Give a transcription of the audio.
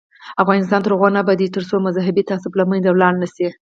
افغانستان تر هغو نه ابادیږي، ترڅو مذهبي تعصب له منځه لاړ نشي.